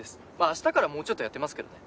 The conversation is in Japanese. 明日からもうちょっとやってますけどね。